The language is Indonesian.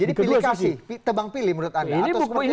jadi pilih kasih tebang pilih menurut anda